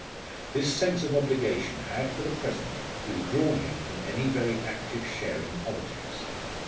This sense of obligation had for the present withdrawn him from any very active share in politics.